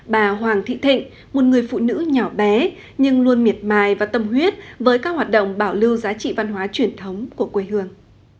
bà hoàng thị thịnh một người phụ nữ nhỏ bé nhưng luôn miệt mài và tâm huyết với các hoạt động bảo lưu giá trị văn hóa truyền thống của quê hương